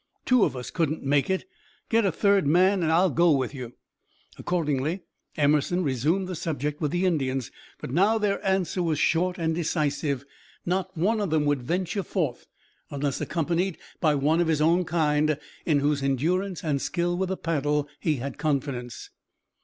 "Two of us couldn't make it. Get a third man, and I'll go you." Accordingly Emerson resumed the subject with the Indians, but now their answer was short and decisive. Not one of them would venture forth unless accompanied by one of his own kind, in whose endurance and skill with a paddle he had confidence.